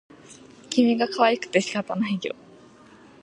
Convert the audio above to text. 君がかわいくて仕方がないよ